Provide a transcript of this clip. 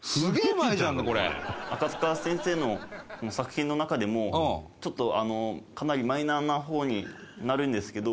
赤塚先生の作品の中でもちょっとかなりマイナーな方になるんですけど。